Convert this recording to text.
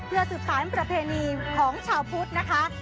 เพื่อศึกษานประเพณีของชาวพุทธนะครับ